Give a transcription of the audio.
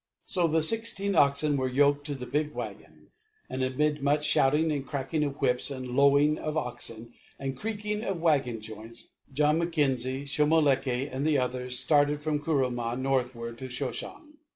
So the sixteen oxen were yoked to the big wagon, and amid much shouting and cracking of whips and lowing of oxen and creaking of wagon joints, John Mackenzie, Shomolekae, and the others, started from Kuruman northward to Shoshong.